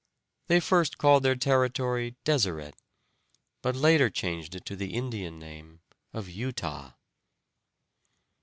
They first called their territory Deseret, but later changed it to the Indian name of Utah.